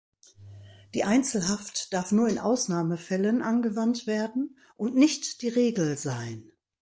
Die Einzelhaft darf nur in Ausnahmefällen angewandt werden und nicht die Regel sein.